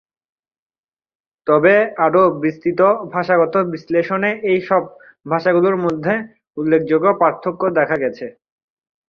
তবে আরও বিস্তৃত ভাষাগত বিশ্লেষণে এই সব ভাষাগুলোর মধ্যে উল্লেখযোগ্য পার্থক্য দেখা গেছে।